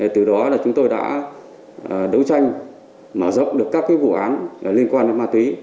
từ đó là chúng tôi đã đấu tranh mở rộng được các vụ án liên quan đến ma túy